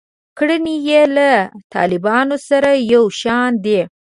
کړنې یې له طالبانو سره یو شان دي.